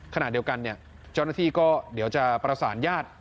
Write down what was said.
ขณะเดียวกันเจ้าหน้าที่ก็เดี๋ยวจะประสานญาติ